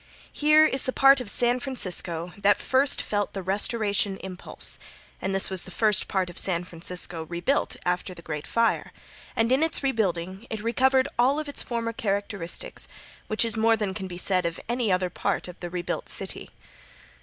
Here is the part of San Francisco that first felt the restoration impulse, and this was the first part of San Francisco rebuilt after the great fire, and in its rebuilding it recovered all of its former characteristics, which is more than can be said of any other part of the rebuilt city.